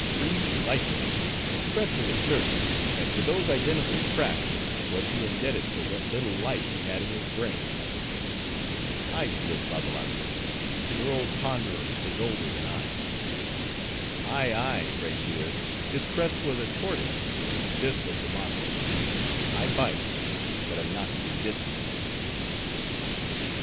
"Precisely. And expressly asserts, that to those identical cracks, was he indebted for what little light he had in his brain." "I yield, Babbalanja; your old Ponderer is older than I." "Ay, ay, Braid Beard; his crest was a tortoise; and this was the motto:—'I bite, but am not to be bitten.